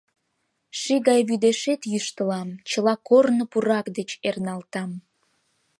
Ший гай вӱдешет йӱштылам, чыла корно пурак деч эрналтам.